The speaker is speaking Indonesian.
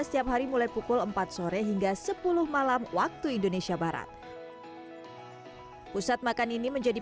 setiap hari mulai pukul empat sore hingga sepuluh malam waktu indonesia barat pusat makan ini menjadi